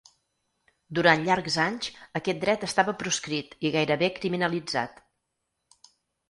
Durant llargs anys aquest dret estava proscrit i gairebé criminalitzat.